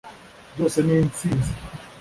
byose ni intsinzi